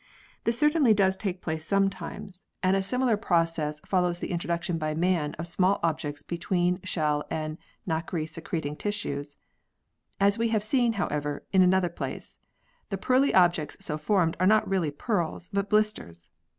This certainly does take place sometimes, vni] THE ORIGIN OF PEARLS 95 and a similar process follows the introduction by man of small objects between shell and nacre secreting tissues. As we have seen, however, in another place (p. 53) the pearly objects so formed are not really pearls, but blisters.